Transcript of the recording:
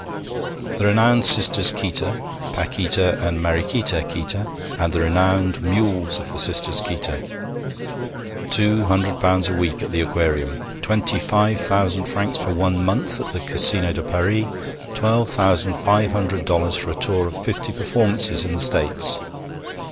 The renowned Sisters Qita Paquita and Mariquita Qita and the renowned mules of the Sisters Qita! Two hundred pounds a week at the Aquarium! Twenty five thousand francs for one month at the Casino de Paris! Twelve thousand five hundred dollars for a tour of fifty performances in the States!